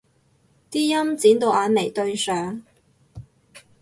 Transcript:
啲陰剪到眼眉對上